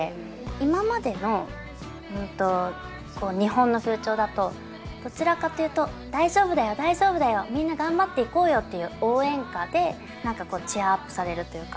今までの日本の風潮だとどちらかというと大丈夫だよ大丈夫だよみんな頑張っていこうよっていう応援歌で何かこうチアアップされるというか。